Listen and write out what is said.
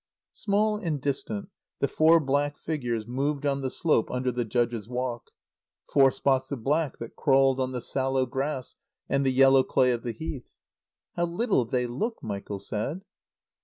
Small and distant, the four black figures moved on the slope under the Judges' Walk; four spots of black that crawled on the sallow grass and the yellow clay of the Heath. "How little they look," Michael said.